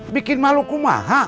bikin maluku mah